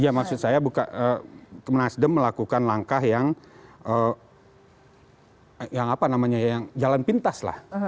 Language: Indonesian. ya maksud saya nasdem melakukan langkah yang jalan pintas lah